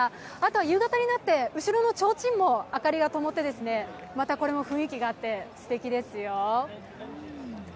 夕方になって後ろのちょうちんも明かりが灯って、雰囲気があって、すてきですよ。